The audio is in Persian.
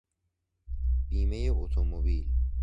بیمهی اتومبیل